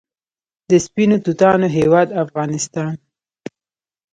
د سپینو توتانو هیواد افغانستان.